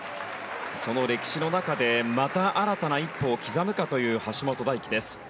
その歴史の中でまた新たな一歩を刻むかという橋本大輝です。